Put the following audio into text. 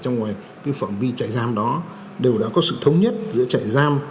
trong ngoài phạm vi chạy giam đó đều đã có sự thống nhất giữa chạy giam